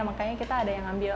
makanya kita ada yang ngambil